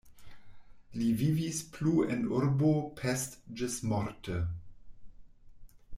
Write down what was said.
Li vivis plu en urbo Pest ĝismorte.